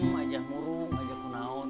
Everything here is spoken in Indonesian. majah murung majah punahun